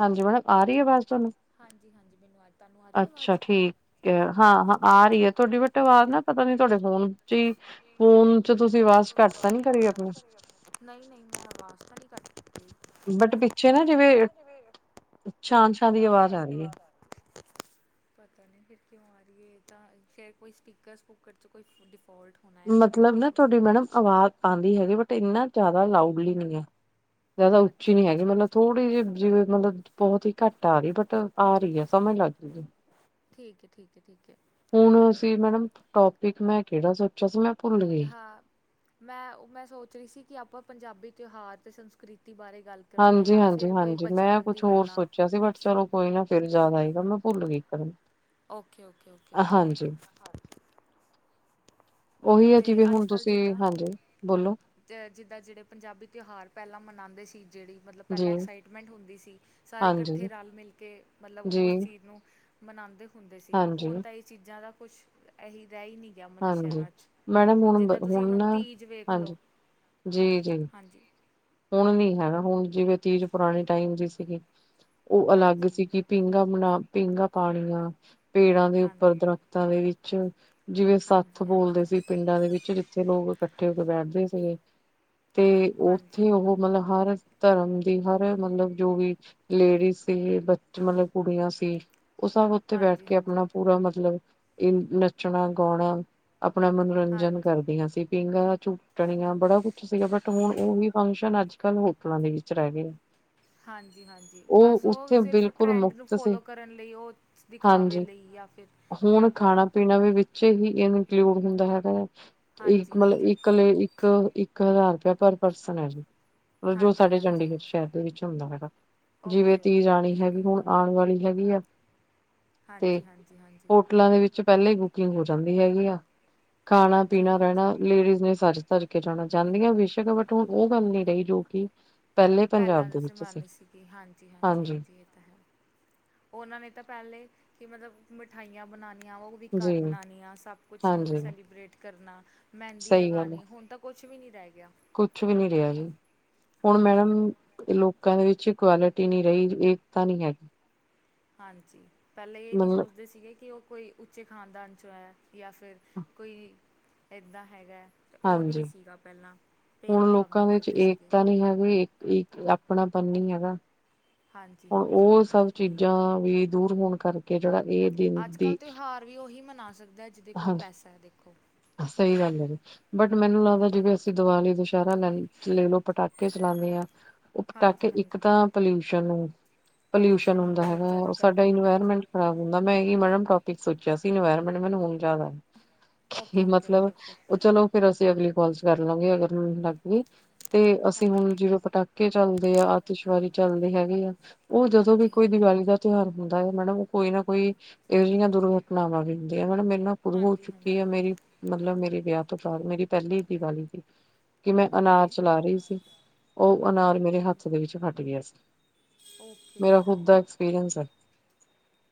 ਹਾਂਜੀ, ਮੈਡਮ ਆ ਰਹੀ ਆਵਾਜ਼ ਤੁਹਾਨੂੰ ਹਾਂਜੀ ਹਾਂਜੀ ਮੈਨੂੰ ਅੱਜ ਤੁਹਾਨੂੰ ਆ ਰਹੀ ਅੱਛਾ ਆਵਾਜ਼ ਠੀਕ। ਹਾਂ ਹਾਂ ਆ ਰਹੀ ਹੈ ਤੁਹਾਡੀ ਬੇਟਾ ਆਵਾਜ਼ ਨਾ ਪਤਾ ਨੀ ਤੁਹਾਡੇ ਫੋਨ ਚ ਹੀ ਜੀ ਫੋਨ। ਚ ਤੁਸੀਂ ਆਵਾਜ਼ ਘੱਟ ਤਾਂ ਨੀ ਕਰੀ ਆਪਣੀ। ਨਹੀਂ ਨਹੀਂ ਮੈਂ ਆਵਾਜ਼ ਤਾਂ ਨਹੀਂ ਕੱਟ ਕੀਤੀ। ਬਟ ਪਿੱਛੇ ਨਾ ਜਿਵੇਂ ਛਾਂ ਛਾਂ ਦੀ ਆਵਾਜ਼ ਆ ਰਹੀ ਹੈ। ਪਤਾ ਨਹੀਂੀ ਫਿਰ ਕਿਉਂ ਆ ਰਹੀਏ ਤਾਂ ਫਿਰ ਕੋਈ ਸਪੀਕਰ ਸਪੂਕਰ ਚਚ ਕੋਈ ਡਿਫੋਲਟ। ਹੋਣਾ ਆ ਕੁਛ ਮਤਲਬ ਇੱਦਾਂ ਨਾ ਹੋ ਤੁਹਾਡੀ ਸਕਦਾ ਮੈਡਮ ਆਵਾਜ਼ ਆਉਂਦੀ ਹੈਗੀ ਬਟ ਇੰਨਾ ਜ਼ਿਆਦਾ ਲਾਊਡਲੀ ਨਹੀਂ ਹੈ। ਜ਼ਿਆਦਾ ਉੱਚੀ ਅੱਛਾ ਨੀ ਹੈਗੀ, ਅੱਛਾ ਮਤਲਬ ਅੱਛਾ ਥੋੜ੍ਹੀ ਜਿਹੀ ਜਿਵੇਂ ਮਤਲਬ। ਬਹੁਤ ਹੀ ਘੱਟ ਆ ਰਹੀ ਬਟ ਆ ਰਹੀ ਹੈ ਸਮਝ ਲੱਗ ਜਾਂਦੀ ਏ। ਠੀਕ ਹੈ, ਠੀਕ ਹੈ ਠੀਕ ਹੈ। ਹੁਣ ਅਸੀ ਮੈਡਮ ਟੋਪਿਕ ਮੈਂ ਕਿਹੜਾ ਸੋਚਿਆ ਸੀ ਮੈਂ। ਭੁੱਲ ਗਈ ਹਾਂ। ਮੈਂ ਉਹ ਮੈਂ ਸੋਚ ਰਹੀ ਸੀ ਕਿ ਆਪਾਂ ਪੰਜਾਬੀ ਤਿਉਹਾਰ ਅਤੇ ਸੰਸਕ੍ਰਿਤੀ ਬਾਰੇ ਗੱਲ ਕਰਦੇ ਹਾਂ ਹਾਂਜੀ ਜਾਂ ਹਾਂਜੀ ਫਿਰ ਕੋਈ ਹਾਂਜੀ ਮੈਂ ਬਚਪਨ ਕੁਛ ਦੀ ਹੋਰ ਗੱਲਾਂ ਸੋਚਿਆ ਸੀ ਬਟ ਕੁਛ ਚਲੋ ਕੋਈ ਨਾ ਫਿਰ ਯਾਦ ਆਏਗਾ, ਮੈਂ ਭੁੱਲ ਗਈ ਇੱਕਦਮ ਓਕੇ ਓਕੇ ਓਕੇ ਓਕੇ ਹਾਂਜੀ, ਹਾਂਜੀ ਉਹੀ ਹੈ ਤੇ ਜਿਵੇਂ ਅੱਜ ਹੁਣ ਕੱਲ੍ਹ ਤੁਸੀਂ ਜਿੱਦਾਂ ਹਾਂਜੀ ਬੋਲੋ ਜਿੱਦਾਂ ਜਿਹੜੇ ਪੰਜਾਬੀ ਤਿਉਹਾਰ ਪਹਿਲਾਂ ਮਨਾਉਂਦੇ ਸੀ, ਜਿਹੜੀ ਮਤਲਬ ਜੀ ਪਹਿਲਾਂ ਐਕਸਾਈਟਮੈਂਟ ਹੁੰਦੀ ਸੀ ਸਾਰੇ ਹਾਂਜੀ। ਇਕੱਠੇ ਰਲ ਮਿਲ ਕੇ ਮਤਲਬ ਜੀ ਉਸ ਚੀਜ਼ ਨੂੰ ਮਨਾਉਂਦੇ ਹੁੰਦੇ ਸੀ ਹਾਂਜੀ, ਹੁਣ ਤਾਂ ਇਹ ਚੀਜ਼ਾਂ ਦਾ ਕੁਛ ਰਹਿ ਹੀ ਨਹੀਂ ਗਿਆ ਮਤਲਬ ਹਾਂਜੀ ਸ਼ਹਿਰਾਂ ਚ, ਮੈਡਮ ਹੁਣ ਜਿੱਦਾਂ ਬ- ਤੁਸੀਂ ਹੁਣ ਨਾ ਤੀਜ ਵੇਖ ਲੋ ਹਾਂਜੀ। ਜੀ ਜੀ ਹਾਂਜੀ ਹੁਣ ਨੀ ਹੈਗਾ, ਹੁਣ ਜਿਵੇਂ ਤੀਜ਼ ਪੁਰਾਣੇ ਟਾਈਮ ਦੀ ਸੀਗੀ ਉਹ ਅਲੱਗ ਹਾਂਜੀ ਸੀਗੀ ਪੀਂਘਾ ਬਣਾ ਪੀਂਘਾ ਪਾਣੀਆਂ ਪੇੜਾਂ ਦੇ ਉੱਪਰ ਹਾਂਜੀ ਹਾਂਜੀ ਦਰਖਤਾਂ ਦੇ ਵਿੱਚ ਜਿਵੇਂ ਹਾਂਜੀ ਸੱਥ ਬੋਲਦੇ ਹਾਂਜੀ ਸੀ ਪਿੰਡਾਂ ਦੇ ਵਿੱਚ ਜਿੱਥੇ ਲੋਕ ਇਕੱਠੇ ਹੋ ਕੇ ਬੈਠਦੇ ਸੀਗੇ ਤੇ ਉੱਥੇ ਹਾਂਜੀ ਉਹ ਮਤਲਬ ਹਰ ਧਰਮ ਦੀ ਹਰ ਮਤਲਬ ਜੋ ਵੀ ਲੇਡੀਜ਼ ਸੀ ਬ ਮਤਲਬ ਕੁੜੀਆਂ ਸੀ, ਉਹ ਸਭ ਉਥੇ ਬੈਠ ਕੇ ਹਾਂਜੀ ਆਪਣਾ ਪੂਰਾ ਮਤਲਬ ਇਹ ਨੱਚਣਾ ਗਾਉਣਾ ਆਪਣਾ ਮਨੋਰੰਜਨ ਹਾਂਜੀ ਕਰਦੀਆਂ ਸੀ ਪੀਂਘਾਂ ਝੂਟਣੀਆਂ ਬੜਾ ਕੁੱਛ ਸੀਗਾ ਬਟ ਹੁਣ ਉਹ ਵੀ ਫੰਕਸ਼ਨ ਅੱਜ ਕੱਲ੍ਹ ਹੋਟਲਾਂ ਦੇ ਵਿੱਚ ਰਹਿ ਗਏ ਆ ਹਾਂਜੀ ਹਾਂਜੀ ਬਸ ਉਹ ਸਿਰਫ ਬਿਲਕੁਲ ਟਰੈਂਡ ਨੂੰ ਮੁਫ਼ਤ ਸੀ ਫੋਲੋ ਕਰਨ ਲਈ ਉਹ ਦਿਖਾਵੇ ਹਾਂਜੀ ਲਈ ਯਾ ਫਿਰ ਕਿ ਹੁਣ ਅਗਰ ਖਾਣਾ ਆਪ ਪੀਣਾ ਵੀ ਵਿੱਚ ਹੀ ਇਹਨੂੰ ਪਿਓਰ ਦਿੰਦਾ ਹੈਗਾ ਹੈ, ਇੱਕ ਹਾਂਜੀ ਮਤਲਬ ਹਾਂਜੀ ਇੱਕਲੇ ਇੱਕ ਇੱਕ ਹਜ਼ਾਰ ਰੁਪਇਆ ਪਰ ਪਰਸਨ ਹੈ ਜੀ ਜੋ ਹਾਂਜੀ ਸਾਡੇ ਹਾਂਜੀ ਚੰਡੀਗੜ੍ਹ ਸ਼ਹਿਰ ਹਾਂਜੀ ਦੇ ਵਿੱਚ ਹੁੰਦਾ ਹੈਗਾ, ਜਿਵੇਂ ਓਕੇ ਤੀਜ ਓਕੇ ਆਣੀ ਓਕੇ ਓਕੇ ਹੈਗੀ ਹੁਣ ਆਉਣ ਵਾਲੀ ਹੈਗੀ ਆ, ਤੇ ਹਾਂਜੀ ਹਾਂਜੀ ਹਾਂਜੀ ਹੋਟਲਾਂ ਦੇ ਵਿੱਚ ਚ ਪਹਿਲਾਂ ਹੀ ਕੁਕਿੰਗ ਹੋ ਜਾਂਦੀ ਹੈਗੀ ਆ, ਖਾਣਾ ਹਾਂਜੀ ਪੀਣਾ ਹਾਂਜੀ ਰਹਿਣਾ ਲੇਡੀਜ਼ ਨੇ ਸਾਰੇ ਤਰ ਕੇ ਜਾਣਾ ਚਾਹੁੰਦੀਆਂ, ਬੇਸ਼ੱਕ ਬਟ ਹੁਣ ਉਹ ਗੱਲ ਨੀ ਰਹੀ ਜੋ ਕਿ ਪਹਿਲੇ ਪੰਜਾਬ ਪਹਿਲਾਂ ਦੇ ਤੁਸੀਂ ਵਿੱਚ ਸੀ ਮਰਨੀ ਸੀਗੀ ਹਾਂਜੀ ਹਾਂਜੀ ਹਾਂਜੀ ਉਹਨਾਂ ਨੇ ਤਾਂ ਪਹਿਲੇ ਕਿ ਮਤਲਬ ਮਿਠਾਈਆਂ ਬਣਾਉਣੀਆਂ ਉਹ ਵੀ ਜੀ ਘਰ ਬਣਾਉਣੀ ਆਂ, ਸਭ ਕੁਛ ਮਤਲਬ ਹਾਂਜੀ ਸੈਲੀਬ੍ਰੇਟ ਕਰਨਾ ਮਹਿੰਦੀ ਸਹੀ ਗੱਲ ਹੈ ਲਗਾਉਣੀ, ਹੁਣ ਤੱਕ ਕੁਛ ਵੀ ਨਹੀਂ ਰਹਿ ਗਿਆ ਕੁਛ ਵੀ ਨੀ ਰਿਹਾ ਜੀ, ਹੁਣ ਮੈਡਮ ਹਾਂਜੀ ਲੋਕਾਂ ਦੇ ਵਿੱਚ ਇਕੁਆਲਿਟੀ ਨਹੀਂ ਰਹੀ ਏਕਤਾਂ ਨੀ ਹੈਗੀ ਹਾਂਜੀ ਪਹਿਲਾਂ ਇਹ ਨਹੀਂ ਮਤਲਬ ਸੋਚਦੇ ਸੀਗੇ ਕਿ ਉਹ ਕੋਈ ਉੱਚੇ ਖਾਨਦਾਨ ਚੋ ਹੈ ਜਾਂ ਫਿਰ ਕੋਈ ਇੱਦਾਂ ਹੈਗਾ ਤੇ ਉਹ ਨਹੀਂ ਹਾਂਜੀ ਸੀਗਾ ਪਹਿਲਾਂ ਹੁਣ ਭੇਦਭਾਵ ਨਹੀਂ ਲੋਕਾਂ ਦੇ ਵਿੱਚ ਕਰਦੇ ਸੀਗੇ ਏਕਤਾ ਨੀ ਹੈਗੀ ਇੱਕ ਆਪਣਾਪਨ ਨੀ ਹੈਗਾ ਹਾਂਜੀ ਹੁਣ ਹਾਂਜੀ ਉਹ ਸਭ ਹਾਂਜੀ ਚੀਜ਼ਾਂ ਵੀ ਦੂਰ ਹੋਣ ਕਰਕੇ ਕੇ ਜਿਹੜਾ ਵੀ ਇਹ ਕੀ ਅੱਜ ਕੱਲ੍ਹ ਤਿਉਹਾਰ ਵੀ ਉਹੀ ਮਨਾ ਸਕਦਾ ਹੈ ਜਿਹਦੇ ਕੋਲ ਹਾਂਜੀ ਪੈਸਾ ਹੈ ਦੇਖੋ ਸਹੀ ਗੱਲ ਹੈ ਜੀ ਬਟ ਮੈਨੂੰ ਲੱਗਦਾ ਹਾਂਜੀ ਜਿਵੇਂ ਅਸੀਂ ਦੀਵਾਲੀ ਦੁਸਹਿਰਾ ਲੈ ਲੈ ਲਓ ਪਟਾਕੇ ਚਲਾਉਂਦੇ ਆਂ ਉ ਹਾਂਜੀ ਪਟਾਕੇ ਇੱਕ ਹਾਂਜੀ ਤਾਂ ਪੋਲਿਊਸ਼ਨ ਪੋਲਿਊਸ਼ਨ ਹੁੰਦਾ ਬਹੁਤ ਹੈਗਾ ਜ਼ਿਆਦਾ ਉਹ ਸਾਡਾ ਕਰਦੇ ਨੇ ਹਾਂਜੀ ਇਨਵਾਇਰਮੈਂਟ ਖਰਾ ਹੁੰਦਾ, ਮੈਂ ਏ ਹੀ ਮੈਡਮ ਟੋਪਿਕ ਸੋਚਿਆ ਸੀ ਅਨਵਾਯਰਮੈਂਟ ਮੈਂਨੂੰ ਹੁਣ ਯਾਦ ਆਯਾ ਓਕੇ ਕੀ ਓਕੇ ਮਤਲਬ ਓਕੇ ਓਕੇ ਉਹ ਚਲੋ ਫਿਰ ਅਸੀਂ ਅਗਲੀ ਕਾਲ ਚ ਕਰ ਲਾਗੇ, ਅਗਰ ਮੈਨੂੰ ਲੱਗ ਗਈ ਤੇ ਅਸੀਂ ਹਾਂਜੀ ਹੁਣ ਜਿਵੇਂ ਪਟਾ ਟੇ ਚੱਲਦੇ ਆ, ਆਤਿਸ਼ਬਾਜ਼ੀ ਚੱਲਦੀ ਹੈਗੀ ਆ, ਉਹ ਜਦੋਂ ਵੀ ਹਾਂਜੀ ਕੋਈ ਹਾਂਜੀ ਦੀਵਾਲੀ ਦਾ ਤਿਉਹਾਰ ਹੁੰਦਾ ਏ ਮੈਡਮ, ਕੋਈ ਨਾ ਕੋਈ ਇਹੋ ਜਿਹੀਆਂ ਦੁਰਘਟਨਾਵਾਂ ਵੀ ਹੁੰਦੀਆਂ, ਹੁਣ ਮੈਨੂੰ ਸ਼ੁਰੂ ਹੋ ਹਾਂਜੀ ਚੁੱਕੀ ਹਾਂਜੀ ਆ ਮੇਰੀ, ਮਤਲਬ ਮੇਰੇ ਵਿਆਹ ਤੋਂ ਬਾਅਦ ਮੇਰੀ ਪਹਿਲੀ ਦੀਵਾਲੀ ਦੀ ਕਿ ਮੈਂ ਅਨਾਰ ਓਕੇ ਚਲਾ ਰਹੀ ਸੀ, ਉਹ ਓਕੇ ਅਨਾਰ ਓਕੇ ਮੇਰੇ ਓਕੇ ਹੱਥ ਦੇ ਵਿੱਚ ਫਟ ਗਿਆ ਸੀ। ਓਕੇ। ਮੇਰਾ ਦਾ ਓਕੇ ਐਕਸਪੀਰੀਐਂਸ ਐ।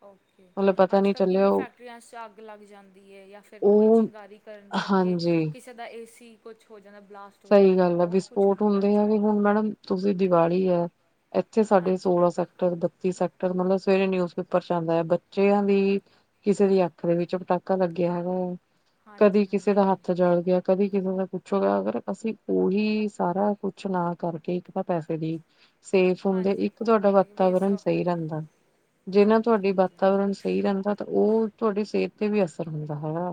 ਓਕੇ, ਅੱਜ-ਕੱਲ੍ਹ ਚੱਲਿਆ ਕਿੰਨੀ ਉਹ ਫੈਕ ਟੀਆਂ, ਚ ਅੱਗ ਲੱਗ ਜਾਂਦੀ ਏ ਜਾਂ ਫਿਰ ਕੋਈ ਉਹ ਚਿੰਗਾਰੀ ਕਰਨ ਕਰਕੇ, ਹਾਂਜੀ ਕਿਸੇ ਕਿਦਾਂ, ਏ ਸੀ ਕੁਛ ਹੋ ਜਾਂਦਾ ਬਲਾਸਟ ਹੋ ਸਹੀ ਜਾਂਦਾ ਹੈ ਗੱਲ ਆ ਬਹੁਤ ਕੁਛ ਵਿਸਫੋਟ ਹੁੰਦੀ ਹੈ ਹੁੰਦੇ ਅੱਜ ਹੈਗੇ, ਕੱਲ੍ਹ ਹੁਣ ਮੈਡਮ ਤੁਸੀਂ ਦੀਵਾਲੀ ਆ, ਇੱਥੇ ਸਾਡੇ ਹਾਂਜੀ ਸੋਲਾਂ ਹਾਂਜੀ ਸੈਕਟਰ, ਬੱਤੀ ਸੈਕਟ ਮਤਲਬ ਸਵੇਰੇ ਨਿਊਜ਼ ਪੇਪਰ 'ਚ ਆਂਦਾ, ਬੱਚਿਆਂ ਦੀ ਕਿਸੇ ਦੀ ਅੱਖ ਦੇ ਵਿੱਚ ਪਟਾਕਾ ਲੱਗਿਆ ਹੈਗਾ, ਹਾਂਜੀ ਕਦੀ ਕਿਸੇ ਹਾਂਜੀ ਦਾ ਹੱਥ ਹਾਂਜੀ ਜਲ ਗਿਆ ਕਦੀ ਕਿਸੇ ਦਾ ਕੁੱਛ ਹੋ ਗਿਆ, ਅਗਰ ਅਸੀਂ ਉਹੀ ਸਾਰਾ ਕੁਛ ਨਾ ਕਰਕੇ, ਇੱਕ ਤਾਂ ਪੈਸੇ ਵੀ ਸੇਫ ਹੁੰਦੇ, ਹਾਂਜੀ ਇੱਕ ਤੁਹਾਡਾ ਇੱਕ ਵੇਸਟ ਵਾਤਾਵਰਨ ਆਫ ਸਹੀ ਮਨੀ ਹੈ ਰਹਿੰਦਾ। ਜਿਨਾਂ ਹਾਂਜੀ ਤੁਹਾਡੀ ਹਾਂਜੀ ਹਾਂਜੀ ਵਾਤਾਵਰਨ ਸਹੀ ਰਹਿੰਦਾ ਤਾਂ ਉਹ ਤੁਹਾਡੀ ਸਿਹਤ ਤੇ ਵੀ ਅਸਰ ਹੁੰਦਾ ਹੈਗਾ।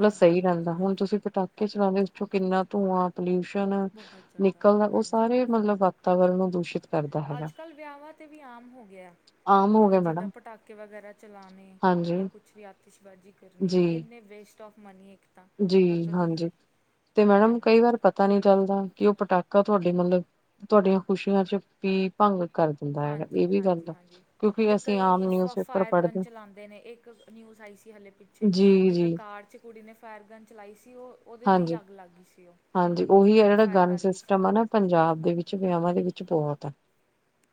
ਮਲਬ ਸਹੀ ਹਾਂਜੀ ਰਹਿੰਦਾ, ਹੁਣ ਤੁਸੀਂ ਹਾਂਜੀ ਪਟਾ ਕੇ ਚਲਾਉਣੇ ਉਸ ਚੋ' ਕਿੰਨਾ ਧੂੰਆਂ ਪਲਿਊਸ਼ਨ ਬਹੁਤ ਜ਼ਿਆਦਾ ਨਿਕਲਦਾ, ਉਹ ਹਾਂਜੀ ਸਾਰੇ ਮਤਲਬ ਵਾਤਾਵਰਨ ਨੂੰ ਦੂਸ਼ਿਤ ਕਰਦਾ ਹੈਗਾ ਅੱਜ-ਕੱਲ੍ਹ ਵਿਆਵਾਂ 'ਤੇ ਵੀ ਆਮ ਹੋ ਗਿਆ, ਆਮ ਹੋ ਮਤਲਬ ਗਿਆ ਜਿੱਦਾਂ ਮੈਡਮ ਪਟਾਕੇ ਵਗੈਰਾ ਚਲਾਂਨੇ। ਹਾਂਜੀ ਜਾਂ ਕੁਛ ਵੀ ਆਤਿਸ਼ਬਾਜ਼ੀ ਕਰਨੀ, ਜੀ ਇੰਨੇ ਵੇਸਟ ਆਫ ਮਨੀ ਇੱਕ ਤਾਂ ਜੀ, ਉੱਤੋਂ ਦੀ ਹਾਂਜੀ ਤੇ ਮੈਡਮ ਕਈ ਹਾਂਜੀ ਵਾਰ ਪਤ ਪਤਾ ਨੀ ਚੱਲਦਾ ਕੀ ਉਹ ਪਟਾਕਾ ਤੁਹਾਡੇ ਮਤਲਬ, ਤੁਹਾਡੀਆਂ ਖੁਸ਼ੀਆਂ 'ਚ ਪੀ ਭੰਗ ਕਰ ਦਿੰਦਾ ਹੈਗਾ ਹਾਂਜੀ ਇਹ ਵੀ ਗੱਲ ਹਾਂਜੀ ਆ, ਹਾਂਜੀ ਕਿਉਂਕਿ ਅਤੇ ਅਸੀਂ ਆਮ ਕਈ ਨਿਊਜ਼ ਪੇਪਰ ਪੜ੍ਹਦੇ ਤੇ ਨਿਊਜ਼ ਆਈ ਸੀ ਹਲੇ ਪਿੱਛੇ, ਜੀ ਇੱਕ ਜੀ ਕਾਰ 'ਚ ਕੁੜੀ ਨੇ ਫੈਰ ਗਨ ਚਲਾਈ ਸੀ, ਉਹ ਉਹਦੇ 'ਤੇ ਈ ਹਾਂਜੀ ਅੱਗ ਲੱਗ ਗਈ ਸੀ ਉਹ ਹਾਂਜੀ, ਉਹੀ ਆ ਜਿਹੜਾ ਬੈਕਫਾਇਰ ਗਨ ਕਰ ਗਈ ਸੀ ਸਿਸਟਮ ਆ ਨਾ ਪੰਜਾਬ ਦੇ ਵਿੱਚ, ਵਿਆਵਾ ਦੇ ਵਿੱਚ ਬਹੁਤ ਆ।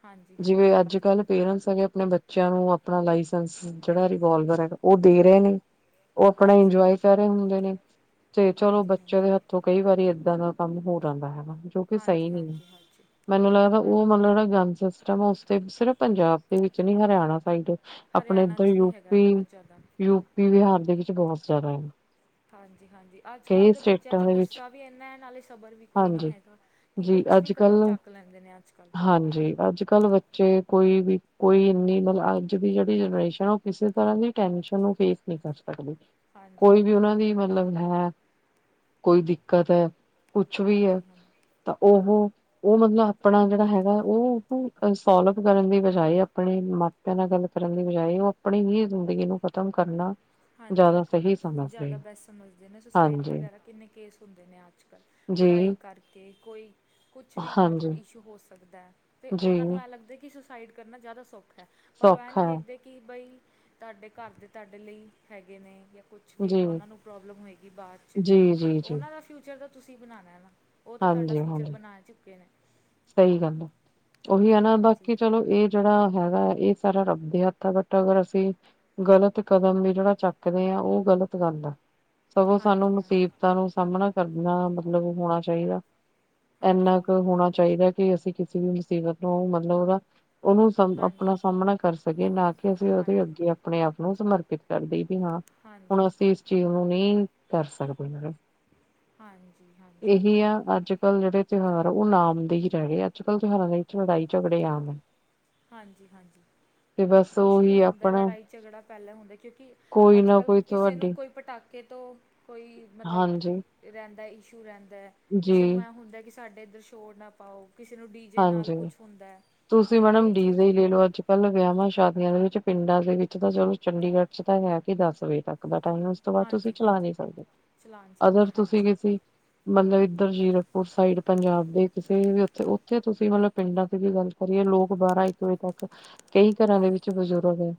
ਹਾਂਜੀ ਜਿਵੇਂ ਹਾਂਜੀ ਹਾਂਜੀ ਅੱਜ-ਕੱਲ੍ਹ ਪੇਰੈਂਸ ਹੈਗੇ ਆਪਣੇ ਬੱਚਿਆਂ ਨੂੰ ਆਪਣਾ ਲਾਇਸੈਂਸ ਜਿਹੜਾ ਰਿਵਾਲਵਰ ਹੈਗਾ, ਉਹ ਦੇ ਰਹੇ ਨੇ। ਉਹ ਆਪਣਾ ਹਾਂਜੀ ਇੰਜੋਆਏ ਹਾਂਜੀ ਹਾਂਜੀ ਕਰ ਰਹੇ ਹੁੰਦੇ ਨੇ ਤੇ ਚਲੋ ਹਾਂਜੀ ਬੱਚਿਆਂ ਦੇ ਹੱਥ ਤੋ ਕਈ ਵਾਰੀ ਏਦਾਂ ਦਾ ਕੰਮ ਹੋ ਜਾਂਦਾ ਹੈਗਾ। ਜੋ ਕਿ ਸਹੀ ਹਾਂਜੀ ਨਹੀਂ, ਹਾਂਜੀ ਹਾਂਜੀ ਮੈਨੂੰ ਲੱਗਦਾ ਉਹ ਮਤਲਬ ਹਾਂਜੀ ਜਿਹੜਾ ਗੰਨ ਸਿਸਟ ਸਿਸਟਮ ਓਹ ਸਿਰਫ ਪੰਜਾਬ ਦੇ ਵਿੱਚ ਨੀ ਹਰਿਆਣਾ ਸਾਈਡ ਆਪਣੇ ਹਰਿਆਣਾ ਇੱਧਰ 'ਚ ਵੀ ਹੈਗਾ ਬਹੁਤ ਜ਼ਿਆਦਾ ਯੂਪੀ-ਯੂਪੀ, ਬਿਹਾਰ ਦੇ ਵਿੱਚ ਬਹੁਤ ਜ਼ਿਆਦਾ ਆ। ਹਾਂਜੀ-ਹਾਂਜੀ, ਅੱਜ-ਕੱਲ੍ਹ ਦੇ ਬੱਚਿਆਂ ਤੇ ਵਿੱਚ ਗੁੱਸਾ ਵੀ ਏਨਾ ਐ, ਨਾਲੇ ਸਬਰ ਵੀ ਕੋਈ ਨੀ ਹਾਂਜੀ ਹੈਗਾ ਕਿ ਜੀ ਕੁਛ ਵੀ ਅੱਜ ਕਦਮ ਕੱਲ ਚੱਕ ਲੈਂਦੇ ਨੇ ਅੱਜ-ਕੱਲ੍ਹ। ਹਾਂਜੀ, ਅੱਜ-ਕੱਲ੍ਹ ਬੱਚੇ ਕੋਈ ਵੀ ਕੋਈ ਇੰਨੀ ਮਤਲਬ, ਅੱਜ ਦੀ ਜਿਹੜੀ ਜਨਰੇਸ਼ਨ ਉਹ ਕਿਸੇ ਤਰ੍ਹਾਂ ਦੀ ਟੈਨਸ਼ਨ ਨੂੰ ਫੇਸ ਨੀ ਕਰ ਸਕਦੀ। ਹਾਂਜੀ ਕੋਈ ਵੀ ਹਾਂਜੀ ਉਹਨਾਂ ਦੀ ਮਤਲਬ ਹੈ ਕੋਈ ਦਿੱਕਤ ਐ, ਕੁਛ ਵੀ ਐ ਹਾਂਜੀ ਹਾਂਜੀ ਤਾਂ ਓਹੋ ਉਹ ਮਤਲਬ ਆਪਣਾ ਜਿਹੜਾ ਹੈਗਾ, ਉ-ਉਹ ਸੋਲਵ ਕਰਨ ਦੀ ਬਜਾਏ ਆਪਣੇ ਮਾ ਮਾਪਿਆਂ ਨਾਲ ਗੱਲ ਕਰਨ ਦੀ ਬਜਾਏ, ਉਹ ਆਪਣੀ ਹੀ ਜ਼ਿੰਦਗੀ ਨੂੰ ਖ਼ਤਮ ਕਰਨਾ ਹਾਂਜੀ, ਜ਼ਿਆਦਾ ਸਹੀ ਜ਼ਿਆਦਾ ਸਮਝਦੇ ਬੈਸਟ ਸਮਝਦੇ ਨੇ ਸੁਸਾਈਡ ਹਾਂਜੀ, ਵਗੈਰਾ, ਕਿੰਨੇ ਕੇਸ ਹੁੰਦੇ ਨੇ ਅੱਜ-ਕੱਲ੍ਹ। ਪੜ੍ਹਾਈ ਜੀ, ਕਰਕੇ ਕੋਈ, ਕੁਛ ਵੀ ਮਤਲਬ ਹਾਂਜੀ, ਇਸ਼ੂ ਹੋ ਸਕਦਾ ਐ। ਅਤੇ ਉਹਨਾਂ ਨੂੰ ਜੀ। ਐਂ ਲੱਗਦਾ ਕਿ ਸੁਸਾਈਡ ਕਰਨਾ ਜ਼ਿਆਦਾ ਸੋਖਾ ਹੈ, ਪਰ ਉਹ ਇਹ ਸੌਖਾ ਨਹੀਂ ਹੈ ਵੇਖਦੇ ਕਿ ਬਈ, ਤੁਹਾਡੇ ਘਰ ਦੇ ਤੁਹਾਡੇ ਲਈ ਹੈਗੇ ਨੇ ਜਾਂ ਕੁਛ ਵੀ ਹੈ ਜੀ, ਉਹਨਾਂ ਨੂੰ ਪ੍ਰੋਬਲਮ ਹੋਏਗੀ ਬਾਅਦ 'ਚ, ਜੀ, ਫਿਰ ਜੀ, ਜੀ, ਉਹਨਾਂ ਦਾ ਫਿਊਚਰ ਤਾਂ ਤੁਸੀਂ ਬਣਾਉਣਾ ਹੈ ਨਾ। ਉਹ ਤਾਂ ਤੁਹਾਡਾ ਹਾਂਜੀ, ਫਿਊਚਰ ਹਾਂਜੀ ਬਣਾ ਚੁੱਕੇ ਨੇ। ਸਹੀ ਗੱਲ ਹਾਂ, ਉਹੀ ਹੈ ਨਾ ਹਾਂਜੀ ਬਾਕੀ ਚਲ਼ ਚਲੋ ਇਹ ਜਿਹੜਾ ਹੈਗਾ ਇਹ ਸਾਰਾ ਰੱਬਦੇ ਹੱਥ ਹੈ, ਬਟ ਅਗਰ ਅਸੀਂ ਗ਼ਲਤ ਕਦਮ ਵੀ ਜਿਹੜਾ ਚੱਕਦੇ ਆ, ਉਹ ਗ਼ਲਤ ਗੱਲ ਆ। ਸਗੋਂ ਸਾਨੂੰ ਹਾਂਜੀ ਹਾਂਜੀ ਮੁਸੀਬਤਾਂ ਨੂੰ ਸਾਹਮਣਾ ਕਰਨਾ, ਮਤਲਬ ਹੋਣਾ ਚਾਹੀਦਾ। ਇੰਨਾ ਹਾਂਜੀ 'ਕ ਹੋਣਾ ਚਾਹੀਦਾ ਕਿ ਅਸੀਂ ਕਿਸੇ ਵੀ ਮੁਸੀਬਤ ਨੂੰ, ਮਤਲਬ ਉਹਦਾ ਉਹਨੂੰ ਹਾਂਜੀ ਹਾਂਜੀ ਆਪਣਾ ਸਾਹਮਣਾ ਕਰ ਸਕੇ ਨਾ ਕਿ, ਅਸੀਂ ਉਹਦੇ ਹਾਂਜੀ ਅੱਗੇ ਆਪਣੇ ਆਪ ਨੂੰ ਸਮਰਪਿਤ ਕਰ ਦਈਏ ਵੀ ਹਾਂ, ਹਾਂਜੀ ਹੁਣ ਅਸੀਂ ਇਸ ਚੀਜ਼ ਨੂੰ ਨਹੀਂ ਕਰ ਸਕਦੇ। ਹਨਾ, ਹਾਂਜੀ ਹਾਂਜੀ, ਇਹ ਤਾਂ ਹੈਗਾ। ਅੱਜ ਕੱਲ ਜਿਹੜੇ ਤਿਉਹਾਰ ਆ ਉਹ ਨਾਮ ਦੇ ਹੀ ਰਹਿਗੇ, ਅੱਜ ਕੱਲ੍ਹ ਤਿਉਹਾਰਾਂ ਦੇ ਵਿੱਚ ਲੜਾਈ ਝਗੜੇ ਆਮ ਹੈ। ਹਾਂਜੀ-ਹਾਂਜੀ, ਤੇ ਬਸ ਕੁਛ ਵੀ ਉਹੀ ਹੁੰਦਾ ਆਪਣਾ ਲੜਾਈ ਝਗੜਾ ਪਹਿਲਾਂ ਹੁੰਦਾ ਹਾ। ਕਿਉਂਕਿ ਕੋਈ ਅੱਜ ਨਾ ਕੱਲ ਕੋਈ ਕਿਸੇ ਨੂੰ ਤੁਹਾਡੀ ਕੋਈ ਪਟਾਕਾ, ਪਟਾਕੇ ਤੋਂ ਕੋਈ ਮਤਲਬ ਹਾਂਜੀ ਰਹਿੰਦਾ, ਇਸ਼ੂ ਰਹਿੰਦਾ, ਜੀ ਕਿਸੇ ਨੂੰ ਐ ਹੁੰਦਾ ਕਿਸੇ ਸਾਡੇ ਇੱਧਰ ਸ਼ੋਰ ਨਾ ਪਾਓ, ਕਿਸੇ ਨੂੰ ਡੀ ਜੇ ਨਾਲ ਹਾਂਜੀ ਕੁਛ ਹੁੰਦਾ ਹੈ ਤੁਸੀਂ ਅਤੇ ਮੈਡਮ ਇਹ ਡੀਜ਼ੇ ਚੀਜ਼ ਹੀ ਵੀ ਲੈ ਬਹੁਤ ਲਓ ਅੱਜ, ਪਹਿਲ ਵਿਆਹਵਾਂ ਸ਼ਾਦੀਆਂ ਦੇ ਵਿੱਚ ਪਿੰਡਾਂ ਦੇ ਵਿੱਚ ਤਾਂ ਚਲੋ ਚੰਡੀਗੜ੍ਹ 'ਚ ਤਾਂ ਹੈ ਕਿ, ਦਸ ਵਜੇ ਤੱਕ ਦਾ ਟਾਈਮ ਉਸ ਤੋਂ ਬਾਅਦ ਤੁਸੀਂ ਹਾਂਜੀ ਚਲਾ ਨਹੀਂ ਹਾਂਜੀ ਸਕਦੇ, ਚਲਾਉਣ ਸਕਦੇ ਅਗਰ ਤੁਸੀਂ ਹਾਂਜੀ ਕਿਸੇ ਮਤਲਬ ਇੱਧਰ ਜ਼ੀਰਕਪੁਰ ਸਾਈਡ, ਪੰਜਾਬ ਦੇ ਕਿਸੇ ਵੀ ਉੱਥੇ ਜਿੱਥੇ ਤੁਸੀਂ ਮਤਲਬ ਪਿੰਡਾਂ ਦੀ ਵੀ ਗੱਲ ਕਰੀਏ, ਲੋਕ ਬਾਰਾਂ ਇੱਕ ਵਜੇ ਤੱਕ ਕਈ ਘਰਾਂ ਦੇ ਵਿੱਚ ਬਜ਼ੁਰਗ ਹੁੰਦੇ।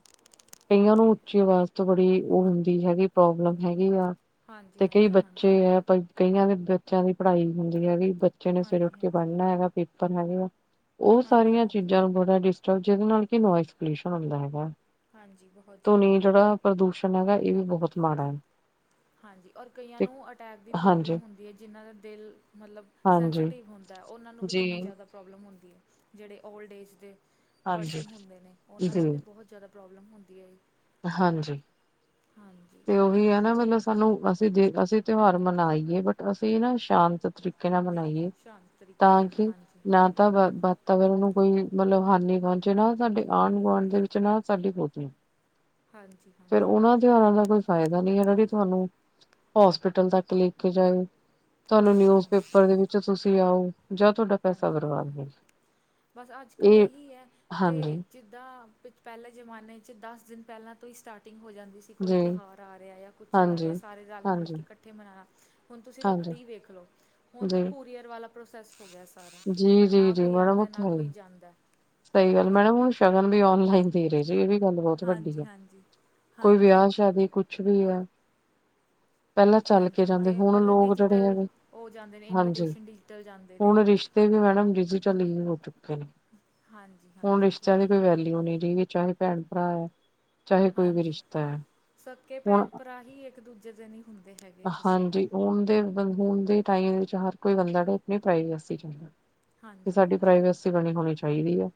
ਕਈਆਂ ਨੂੰ ਉੱਚੀ ਅਵਾਜ ਤੋਂ ਬੜੀ ਉਹ ਹੁੰਦੀ ਹੈਗੀ ਪ੍ਰੋਬਲਮ ਹੈਗੀ ਆ। ਹਾਂਜੀ ਤੇ ਕਈ ਹਾਂਜੀ ਬੱਚੇ ਹਾਂਜੀ ਐ, ਪ ਕਈਆਂ ਦੇ ਬੱਚਿਆਂ ਦੀ ਪੜ੍ਹਾਈ ਹੁੰਦੀ ਹੈਗੀ, ਬੱਚੇ ਨੇ ਸਵੇਰੇ ਹਾਂਜੀ ਉੱਠ ਕੇ ਹਾਂਜੀ ਪੜ੍ਹਨਾ ਹੈਗਾ, ਪੇਪਰ ਹੈਗੇ ਆ। ਉਹ ਹਾਂਜੀ ਸਾਰੀਆਂ ਹਾਂਜੀ ਚੀਜ਼ਾਂ ਨੂੰ ਬੜਾ ਡਿਸਟਰਬ, ਜਿਹਦੇ ਨਾਲ ਕਿ ਨੋਇਸ ਪੋਲਿਊਸ਼ਨ ਹੁੰਦਾ ਹੈਗਾ। ਹਾਂਜੀ ਬਹੁਤ ਜ਼ਿਆਦਾ ਧੁਨੀ ਹਾਂਜੀ ਜਿਹੜਾ ਪ੍ਰਦੂਸ਼ਣ ਹੈਗਾ, ਇਹ ਵੀ ਬਹੁਤ ਮਾੜਾ ਐ। ਹਾਂਜੀ, ਔਰ ਕਈਆਂ ਨੂੰ ਅਟੈਕ ਦੀ ਹਾਂਜੀ ਪ੍ਰੋਬਲਮ ਹੁੰਦੀ ਐ, ਜਿਹਨ੍ਹਾਂ ਦਾ ਦਿਲ ਮਤਲਬ ਹਾਂਜੀ ਸੈਂਸਟਿਵ ਹੁੰਦਾ, ਉਹਨਾਂ ਨੂੰ ਵੀ ਜੀ ਕਿੰਨੀ ਜ਼ਿਆਦਾ ਪ੍ਰੋਬਲਮ ਹੁੰਦੀ ਐ, ਜਿਹੜੇ ਓਲਡ ਏਜ ਦੇ ਹਾਂਜੀ ਪਰਸਨ ਹੁੰਦੇ ਨੇ, ਜੀ ਉਹਨਾਂ ਨੂੰ ਵੀ ਬਹੁਤ ਜ਼ਿਆਦਾ ਪ੍ਰੋਬਲਮ ਹੁੰਦੀ ਐ, ਜ ਹਾਂਜੀ, ਤੇ ਉਹੀ ਹੈ ਨਾ ਮਲਬ ਸਾਨੂੰ ਅਸੀਂ ਦੇ ਅਸੀਂ ਤਿਉਹਾਰ ਮਨਾਈਏ, ਬਟ ਅਸੀਂ ਨਾ ਸ਼ਾਂਤ ਤਰੀਕੇ ਨਾਲ ਮਨਾਈਏ। ਸ਼ਾਂਤ ਤਰੀਕੇ ਤਾਂ ਨਾਲ ਕਿ ਹਾਂਜੀ ਨਾ ਹਾਂਜੀ ਤਾਂ ਬਾ ਤਾਂ ਫਿਰ ਉਹਨੂੰ ਕੋਈ ਮਤਲਬ ਹਾਨੀ ਪਹੁੰਚੇ ਨਾ, ਸਾਡੇ ਆਂਢ ਗੁਆਂਢ ਦੇ ਵਿੱਚ ਨਾ ਸਾਡੀ ਗੋਤੀਆਂ ਹਾਂਜੀ। ਫਿਰ ਹਾਂਜੀ ਉਹਨਾਂ ਤਿਉਹਾਰਾਂ ਦਾ ਕੋਈ ਫਾਇਦਾ ਨਹੀਂ ਹੈਗਾ, ਵੀ ਤੁਹਾਨੂੰ ਹੋਸਪਿਟਲ ਤੱਕ ਲੈ ਕੇ ਜਾਏ, ਤੁਹਾਨੂੰ ਹਾਂਜੀ ਨਿਊਜ਼ ਹਾਂਜੀ ਪੇਪਰ ਦੇ ਵਿੱਚ ਤੁਸੀਂ ਆਓ। ਜਾਂ ਤੁਹਾਡਾ ਪੈਸਾ ਹਾਂਜੀ, ਇਹ ਬਰਬਾਦ ਤਾਂ ਹੈ, ਹੋ ਬਸ ਅੱਜ ਕੱਲ੍ਹ ਇਹ ਇਹੀ ਹੈ ਤੇ ਹਾਂਜੀ ਜਿੱਦਾਂ ਪ ਪਹਿਲੇ ਜ਼ਮਾਨੇ 'ਚ ਦਸ ਦਿਨ ਪਹਿਲਾਂ ਤੋਂ ਹੀ ਸਟਾਰਟਿੰਗ ਹੋ ਜਾਂਦੀ ਸੀ। ਕਿ ਕੋਈ ਜੀ ਤਿਉਹਾਰ ਆ ਰਿਹਾ ਜਾਂ ਕੁਛ ਵੀ ਆ ਹਾਂਜੀ ਰਿਹਾ, ਸਾਰੇ ਰਲ ਮਿਲ ਹਾਂਜੀ ਕੇ ਇਕੱਠੇ ਮਨਾਉਣਾ। ਹੁਣ ਤੁਸੀਂ ਹਾਂਜੀ ਰੱਖੜੀ ਵੇਖ ਲੋ, ਹੁਣ ਜੀ ਕੂਰੀਅਰ ਵਾਲਾ ਪ੍ਰੋਸੈਸ ਹੋ ਗਿਆ ਸਾਰਾ ਸਾਰਾ, ਜੀ ਜੀ ਨਾ ਜੀ ਕੋਈ ਮੈਡਮ ਉਹ ਆਦਾ, ਤਾਂ ਨਾ ਹੈ ਕੋਈ ਹੀ ਜਾਂਦਾ। ਸਹੀ ਗੱਲ ਐ, ਹਾਂਜੀ ਮੈਡਮ ਹੁਣ ਸ਼ਗਨ ਵੀ ਔਨਲਾਈਨ ਦੇਰੇ ਜੇ ਏ ਵੀ ਗੱਲ ਬੌਤ ਵੱਡੀ ਹਾਂਜੀ ਆ, ਹਾਂਜੀ ਕੋਈ ਹਾਂਜੀ ਵਿਆਹ ਸ਼ਾਦੀ ਕੁਛ ਵੀ ਆ। [inaudible] ਹਾਂਜੀ, ਤੇ ਹੁਣ ਮਲਬ ਲੋਕ ਜਿਹੜੇ ਡਿਜੀਟਲ, ਹੈਗੇ ਓ ਜਾਂਦੇ ਨੇ ਇਨਵੀਟੇਸ਼ਨ ਡਿਜੀਟਲ ਜਾਂਦੇ ਨੇ। ਤੇ ਵੀ ਮੈਡਮ ਡਿਜ਼ੀਟਲ ਹੀ ਹੋ ਚੁੱਕੇ ਨੇ। ਹਾਂ ਹੁਣ ਰਿਸ਼ਤਿਆਂ ਦੀ ਕੋਈ ਵੈਲਿਊ ਨੀ ਰੀ ਚਾਹੇ ਭੈਣ ਭਰਾ ਐ। ਹਾਂਜੀ, ਸਕੇ ਹੁਣ ਭੈਣ ਭਰਾ ਹੀ ਇੱਕ ਦੂਜੇ ਦੇ ਨੀ ਹੁੰਦੇ। ਹੈਗੇ ਦੱਸੋ ਹਾਂਜੀ ਹੁਨ ਦੇ ਹੁਨ ਦੇ ਟਾਈਮ ਵਿੱਚ ਹਰ ਕੋਈ ਬੰਦਾ ਕਏ ਆਪਣੀ ਪ੍ਰਾਈਵੇਸੀ ਚਾਉਂਦਾ। ਕਿ ਹਾਂਜੀ ਸਾਡੀ ਹਾਂਜੀ ਪ੍ਰਾਈਵੇਸੀ ਬਣੀ ਹੋਣੀ ਚਾਈਦੀ ਆ।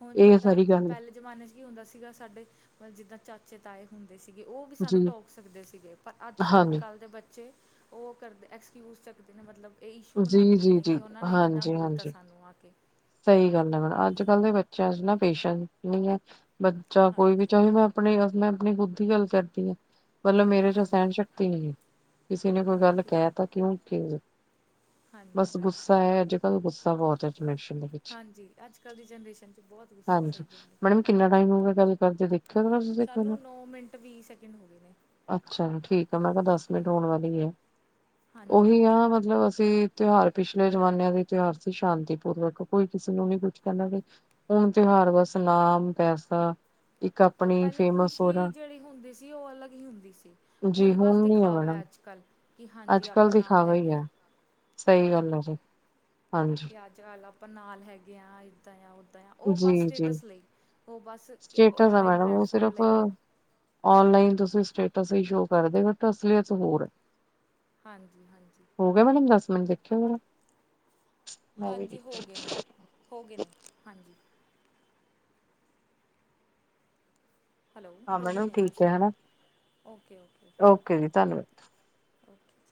ਹੁਣ ਜਿੱਦਾਂ ਪੈਲੇ ਜ਼ਮਾਨੇ 'ਚ ਕੀ ਹੁੰਦਾ ਸੀਗਾ, ਸਾਡੇ ਮਲ ਜਿੱਦਾਂ ਚਾ ਚੇ ਤਾਏ ਹੁੰਦੇ ਸੀਗੇ, ਓ ਵੀ ਸਾਨੂੰ ਜੀ ਟੋਕ ਸਕਦੇ ਸੀਗੇ, ਪਰ ਅੱਜ ਦੇ ਹਾਂਜੀ ਕੱਲ੍ਹ ਦੇ ਬੱਚੇ ਓ ਕਰਦੇ ਐਕਸਕਿਊਜ਼ ਚੱਕਦੇ ਨੇ, ਮਤਲਬ ਏ ਇਸ਼ੂ ਬਣਾ ਜੀ ਲੈਂਦੇ ਜੀ ਨੇ ਜੀ ਕਿ ਓਨਾਂ ਨੇ ਕਿੱਦਾਂ ਬੋਲਤਾ ਸਾਨੂੰ ਆ ਕੇ। ਸਈ ਗੱਲ ਐ, ਮੈਡ ਅੱਜ ਕੱਲ ਦੇ ਬੱਚਿਆਂ ਚ ਨਾ ਪੇਸ਼ੈਂਸ ਨਈ ਐ, ਬੱਚਾ ਕੋਈ ਵੀ ਹਾਂਜੀ ਚਾਹੇ ਮੈ ਆਪਣੀ ਮੈਂ ਆਪਣੀ ਖੁੱਦ ਦੀ ਗੱਲ ਕਰਦੀ ਆ, ਮਲਬ ਮੇਰੇ ਚ ਹਾਂਜੀ ਸਹਿਣ ਸ਼ਕਤੀ ਨੀ ਐ। ਕਿਸੇ ਨੇ ਕੋਈ ਗੱਲ ਓਕੇ ਕੈ ਤਾ ਕਿਉਂ ਕੇ, ਹਾਂਜੀ ਬਸ ਹਾਂਜੀ ਗੁੱਸਾ ਐ, ਅੱਜ ਗੁੱਸਾ ਬਹੁਤ ਐ ਜਨਰੇਸ਼ਨ ਵਿਚ, ਹਾਂਜੀ ਅੱਜ ਕੱਲ੍ਹ ਦੀ ਜਨਰੇਸ਼ਨ 'ਚ ਬਹੁਤ ਗੁੱਸਾ ਸਹੀ ਹਾਂਜੀ, ਗੱਲ ਹੈ ਮੈਡਮ ਕਿੰਨਾ ਟਾਈਮ ਹੋਗਿਆ ਗੱਲ ਕਰਦੇ, ਦੇਖਿਓ ਮੈਮ [unintelligible] ਤੁਸੀਂ ਇਕ ਸਾਨੂੰ ਮਿਨਟ। ਨੌ ਮਿੰਟ ਵੀਹ ਸੈਕਿੰਡ ਹੋ ਗਏ ਨੇ ਅੱਛਾ ਜੀ, ਠੀਕ ਆ, ਮੈਂ ਕੇਆ ਦਸ ਮਿੰਟ ਹਾਂਜੀ ਹੋਣ ਵਾਲੀ ਐ, ਹਾਂਜੀ ਓਹੀ ਆ ਹਾਂਜੀ ਮਤਲਬ ਅਸੀਂ ਤਿਉਹਾਰ ਪਿਛਲੇ ਜ਼ਮਾਨਿਆਂ ਦੇ ਤਿਉਹਾਰ ਸੀ ਸ਼ਾਂਤੀ ਪੂਰਵਕ ਕੋਈ ਕਿਸੇ ਨੂੰ ਨੀ ਕੁਛ ਕਹਿੰਦਾ ਸੀ, ਹੁਣ ਤਿਉਹਾਰ ਬਸ ਨਾਮ ਪੈਸਾ ਇੱਕ ਔਰ ਆਪਣੀ ਪੈਲੇ ਫੇਮਸ ਹੋ ਖੁਸ਼ੀ ਜਾਣ ਜੇੜੀ ਹੁੰਦੀ ਸੀ, ਓ ਅਲੱਗ ਹੀ ਹੁੰਦੀ ਸੀ। ਜੀ ਹੁਣ ਬਸ ਨੀ ਹੈ ਦਿਖਾਵਾ ਏ ਮੈਡਮ ਅੱਜ ਕੱਲ੍ਹ, ਕਿ ਹਾਂਜੀ ਅੱਜ ਕੱਲ੍ਹ ਆਪਾਂ ਨਾਲ ਦਿਖਾਵਾ ਹੀ ਹੈਗੇ ਆ, ਹੈ ਹਾਂਜੀ। ਹਾਂਜ ਤੇ ਅੱਜ ਅੱਲ ਆਪਾਂ ਨਾਲ ਹੈਗੇ ਆਂ ਆਈ ਦਾਂ ਆ ਓਦਾਂ ਆ, ਓ ਬੱਸ ਜੀ ਜੀ ਟੇਟਸ ਲਈ, ਓ ਬੱਸ ਏਕ ਸਟੇਟਸ ਆ ਔਨਲਾਈਨ ਮੈਡਮ ਉਹ ਪਲੈਟਫਾਰਮ ਸਿਰਫ ਲਈ ਐ। ਔਨਲਾਈਨ ਤੁਸੀ ਸਟੇਟਸ ਹੀ ਸ਼ੋ ਕਰਦੇ, ਬਟ ਅਸਲੀਅਤ ਹੋਰ ਐ। ਹਾਂਜੀ ਹਾਂਜੀ। ਹੋ ਗਿਆ ਮੈਡਮ ਦਸ ਮਿੰਨ ਦੇਖਿਓ ਜਰਾ। ਹਾਂਜੀ ਹੋ ਗੇ ਨੇ ਹੋ ਗੇ ਨੇ ਹਾਂਜੀ। ਹੈਲੋ ਹਾਂ ਹੋਗੇ ਮੈਡਮ ਨੇ ਦਸ ਠੀਕ ਹੈ ਹਨਾ minute okay okay okay okay ਜੀ ਧੰਨਵਦ ਓਕੇ।